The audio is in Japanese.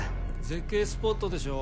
絶景スポットでしょ？